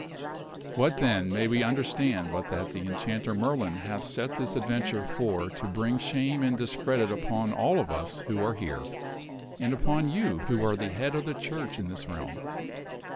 What, then, may we understand but that the enchanter Merlin hath THE KINGS ARE DISPLEASED 3 , set this adventure for to bring shame and discredit upon all of us who are here, and upon you, who are the head of the church in this realm